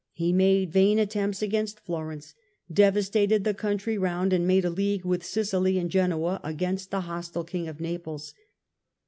He made vain attempts against Florence, devastated the country round, and made a league with Sicily and Genoa against the hostile King of Naples.